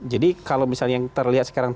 jadi kalau misalnya yang terlihat sekarang